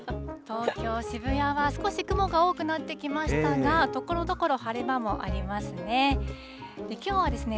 東京・渋谷は少し雲が多くなってきましたが、ところどころ晴れ間もありますね。